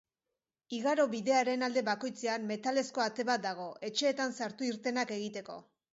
Igarobidearen alde bakoitzean metalezko ate bat dago, etxeetan sartu-irtenak egiteko.